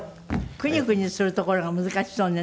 クネクネするところが難しそうね